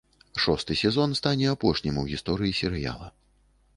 Шосты сезон стане апошнім у гісторыі серыяла.